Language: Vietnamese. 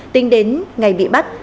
tính đến ngày bị bắt